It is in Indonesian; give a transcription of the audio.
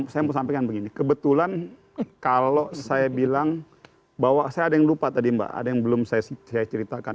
saya mau sampaikan begini kebetulan kalau saya bilang bahwa saya ada yang lupa tadi mbak ada yang belum saya ceritakan